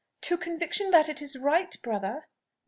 "To conviction that it is right, brother."